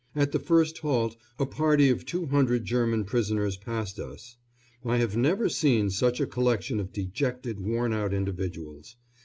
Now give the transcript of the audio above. At the first halt a party of 200 German prisoners passed us. I have never seen such a collection of dejected, worn out individuals.